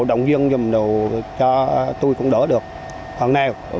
động viên giùm đồ cho tôi cũng đỡ được hơn nào